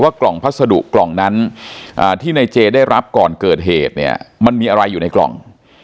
กล่องพัสดุกล่องนั้นที่ในเจได้รับก่อนเกิดเหตุเนี่ยมันมีอะไรอยู่ในกล่อง